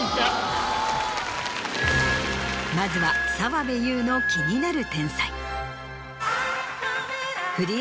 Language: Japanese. まずは澤部佑の気になる天才。